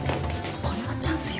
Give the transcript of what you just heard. これはチャンスよ。